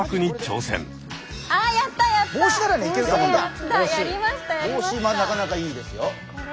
ぼうしはなかなかいいですよ。